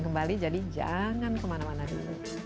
kembali jadi jangan kemana mana dulu